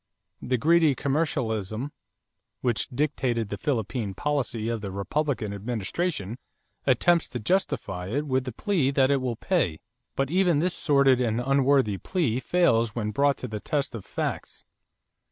The greedy commercialism which dictated the Philippine policy of the Republican administration attempts to justify it with the plea that it will pay, but even this sordid and unworthy plea fails when brought to the test of facts.